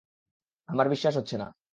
আমার বিশ্বাস হচ্ছে না।